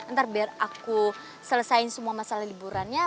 ntar biar aku selesai semua masalah liburannya